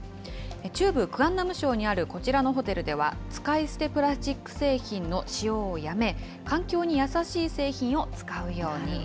中部クアンナム省にあるこちらのホテルでは、使い捨てプラスチック製品の使用をやめ、環境に優しい製品を使うように。